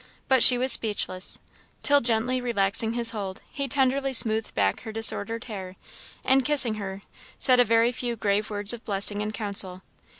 But she was speechless; till gently relaxing his hold, he tenderly smoothed back her disordered hair, and kissing her, said a very few grave words of blessing and counsel.